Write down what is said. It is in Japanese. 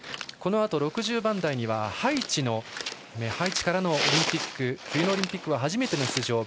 このあと６０番台にはハイチからの冬のオリンピック初めての出場